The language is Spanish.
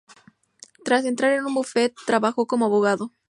Tras entrar en un bufete trabajó como abogado.